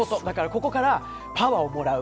ここからパワーをもらう。